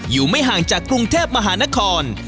อยู่ไม่ห่างจากกรุงเทพมหานคร